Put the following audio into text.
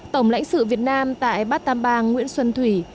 tổng lãnh sự việt nam tại bát tam bang nguyễn xuân thủy